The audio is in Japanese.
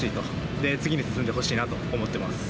で、次に進んでほしいなと思ってます。